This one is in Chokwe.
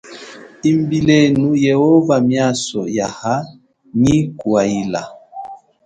Embilenu Yehova miaso yaha nyi kuwaila.